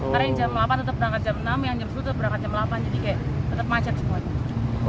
karena yang jam delapan tetap berangkat jam enam yang jam sepuluh tetap berangkat jam delapan jadi kayak tetap macet semua